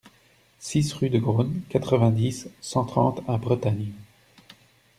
six rue de Grone, quatre-vingt-dix, cent trente à Bretagne